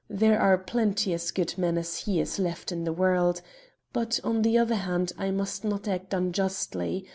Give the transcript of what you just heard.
There are plenty as good men as he left in the world; but, on the other hand, I must not act unjustly.